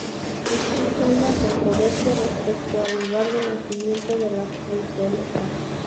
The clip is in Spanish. Existe una controversia respecto al lugar de nacimiento de la folclorista.